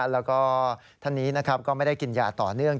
แล้วก็ท่านนี้ก็ไม่ได้กินยาต่อเนื่อง